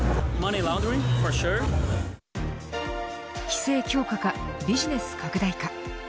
規制強化かビジネス拡大か。